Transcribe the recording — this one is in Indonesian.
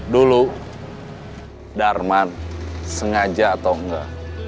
dulu darman sengaja atau enggak